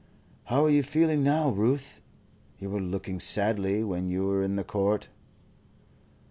"How are you feeling now, Ruth? You were looking sadly when you were in the court."